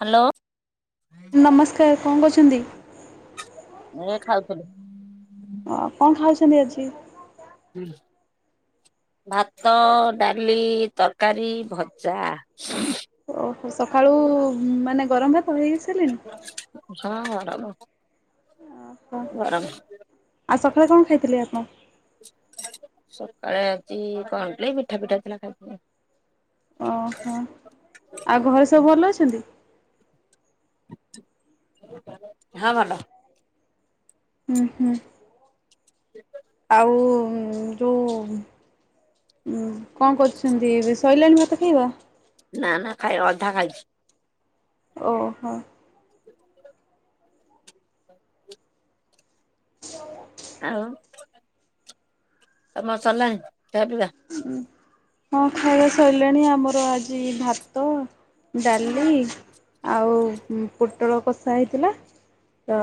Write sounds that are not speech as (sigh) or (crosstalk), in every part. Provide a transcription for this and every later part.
Hello. ନମସ୍କାର କଣ କରୁଛନ୍ତି? ଏ ଖାଉଥୁଲୁ। ହ କଣ ଖାଉଛନ୍ତି ଆଜି? ହୁଁ ଭାତ, ଡାଲି, ତରକାରୀ, ଭଜା। ଓହୋ ସକାଳୁ ମାନେ ଗରମ ଭାତ ହେଇଛି। ହଁ ହଁ ଡ ଓହୋ (inaudible) ଆଉ ସକାଳେ କଣ ଖାଇଥିଲେ ଆପଣ? ସକାଳେ ଆଜି କଣକି ମିଠା ଫିଠା ଥିଲା ଖାଇଥିଲେ। ଓହୋ ଆଉ ଘରେ ସବୁ ଭଲ ଅଛନ୍ତି? ହଁ ଭଲ। ଉଁ ହୁଁ। ଦେ ବେ ନା। ଆଉ ଯୋଉ କଣ କରୁଛନ୍ତି ଏବେ ସଇଲାଣି ଭାତ ଖାଇବା? ନା ନା ଖାଇବା ଅଧା ଖାଇଛି। ଓହୋ। (inaudible) ଆଉ ତମର ମସଲା ଖିଆ ପିଇବା। ହୁଁ। ହଁ ଖାଇବା ସରିଲାଣି ଆମର ଆଜି ଭାତ, ଡାଲି ଆଉ ପୋଟଳ କଷା ହେଇଥିଲା ତ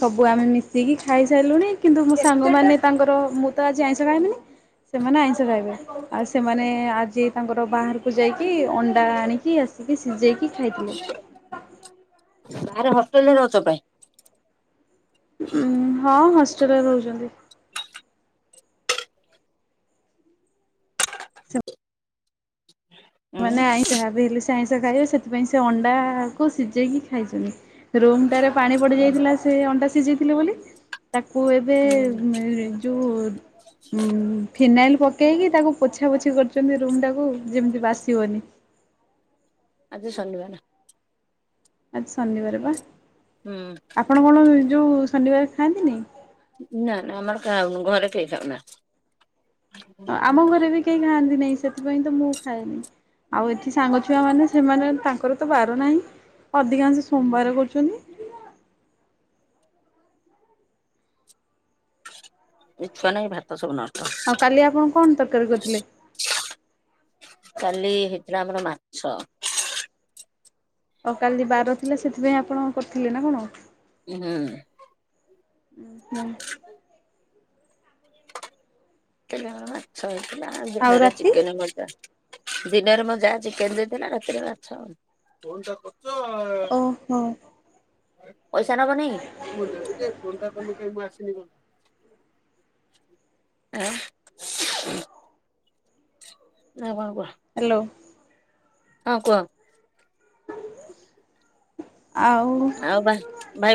ସବୁ ଆମେ ମିଶିକି ଖାଇସାରିଲୁଣି କିନ୍ତୁ ମୋ ସାଙ୍ଗମାନେ ତାଙ୍କର ମୁଁ ତ ଆଜି ଆଇଁଷ ଖାାଇବିନି ସେମାନେ ଆଇଁଷ ଆଉ ସେମାନେ ଆଜି ତାଙ୍କର ବାହାରକୁ ଯାଇକି ଅଣ୍ଡା ଆଣିକି ଆସି ଟିକେ ସିଝେଇକି ଖାଇଥିଲେ ବାହାରେ ହଷ୍ଟେଲରେ ରହୁଛ ପାଇଁ। ହଁ ହଷ୍ଟେଲରେ ରହୁଛନ୍ତି। ହ ମାନେ ଆଇଁ ଯାହା ବି ହେଲେ ସେ ଆଇଁଷ ଖାଇବ ସେଥିପାଇଁ ସେ ଅଣ୍ଡାକୁ ସିଝେଇକି ଖାଇଛନ୍ତି। ରୁମ୍ ଟାରେ ପାଣି ପଡି ଉଁ ଯାଇଥିଲା ସେ ଅଣ୍ଡା ସିଝେଇଥିଲେ ବୋଲି। ତାକୁ ଏବେ ହୁଁ ଯେଉଁ ଉଁ ଫିନାଇଲ ପକେଇକି ତାକୁ ପୋଛା ପୋଛି କରୁଛନ୍ତି ରୁମ୍ ଟାକୁ ଯେମିତି ବାସିବନି। ଆଜି ଶନିବାର ଆଜି ଶନିବାରେ ବା। ହୁଁ। ଆପଣ କଣ ଯେଉଁ ଶନିବାର ଖାଆନ୍ତିନି? ନା ନା ଆମର କାଉନୁ ଘରେ କେହିଖାଉନା। ଆମ ଘରେ ବି କେହି ଖାଆନ୍ତିନେଇଁ ସେଥିପାଇଁ ତ ମୁଁ ଖାଏନି। ଆଉ ଏଠି ସାଙ୍ଗ ଛୁଆ ମାନେ ସେମାନେ ତାଙ୍କର ତ ବାର ନାହିଁ। ଅଧିକାଂଶ ସୋମବାର କରୁଚନ୍ତି। ଇଛା ନାହିଁ ଭା ତ ସବୁ ନଷ୍ଟ। ଆଉ କାଲି ଆପଣ କଣ ତରକାରୀ କରିଥିଲେ? କାଲି ହେଇଥିଲା ଆମର ମାଛ। ଆଉ କାଲି ବାର ଥିଲା ସେଥିପାଇଁ ଆପଣ କରିଥିଲେ ନା କଣ? ହୁଁ। ଉଁ ହୁଁ। କଲି ଆମର ମାଛ ହେଇଥିଲା, ଆଉ ଦିନରେ ରାତି ଚିକେନ ମୋ ଜା ଦିନରେ ମୋ ଜା ଚିକେନ ଦେଇଥିଲା ରାତିରେ ମାଛ ଆଉ। ହ ଓହୋ। (inaudible) ଆଉ? ଆଉ କଣ କୁହ? ହ୍ୟାଲୋ। ହଁ କୁହ। ଆଉ ଆଉ ଭାଇ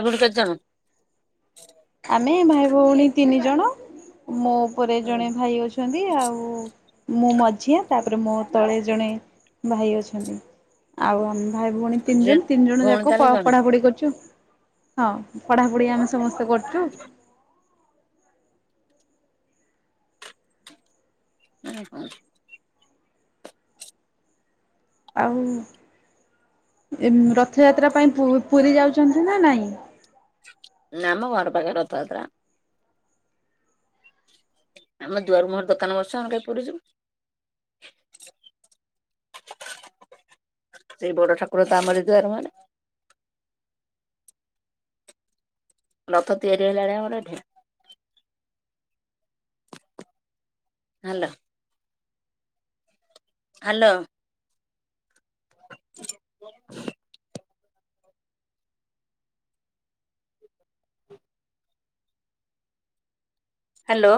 ଭଉଣି କେତେଜଣ? ଆମେ ଭାଇ ଭଉଣୀ ତିନି ଜଣ ମୋ ଉପରେ ଜଣେ ଭାଇ ଅଛନ୍ତି ଆଉ ମୁଁ ମଝିଆ ତାପରେ ମୋ ତଳେ ଜଣେ ଭାଇ ଅଛନ୍ତି। ଆଉ ଆମ ଭାଇ ଭଉଣୀ ତିନି ଝିଅ ଜଣ ତିନି ଜଣ ଭଉଣୀ ଯାକ ତାହେଲେ ପ ଜଣେ ପଢାପଢି କରୁଚୁ। ହଁ ପଢାପଢି ଆମେ ସମସ୍ତେ କରୁଚୁ। ଉଁ ହୁଁ। ଆଉ ରଥଯାତ୍ରା ପାଇଁ ପୁରୀ ଯାଉଚନ୍ତି ନା ନାଇଁ? ନା ଆମ ଘର ପାଖେ ରଥଯାତ୍ରା। ଆମ ଦୁଆର ମୁହଁର ଦୋକାନ ବସୁଚି ଆମେ କାଇଁ ପୁରି ଯିବୁ। ସେଇ ବଡ ଠାକୁର ତ ଆମରି ଦୁଆର ମୁହଁରେ। ନଥ ତିଆରି ହେଲାଣି ଆମର ଏଠି। ହେଲା। ହ୍ୟାଲୋ। ହ ହ୍ୟାଲୋ।